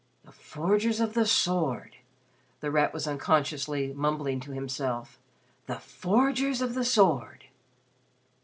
"The Forgers of the Sword!" The Rat was unconsciously mumbling to himself, "The Forgers of the Sword!"